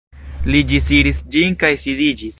Li ĝisiris ĝin kaj sidiĝis.